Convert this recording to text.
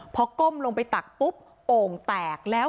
พอก้มลงไปตักปุ๊บโอ่งแตกแล้ว